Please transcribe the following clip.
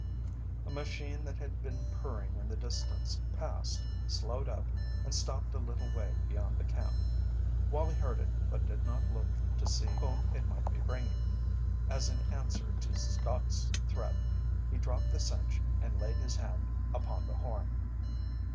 A machine that had been purring in the distance passed, slowed up, and stopped a little way beyond the camp. Wallie heard it but did not look to see whom it might be bringing, as in answer to Stott's threat he dropped the cinch and laid his hand upon the horn.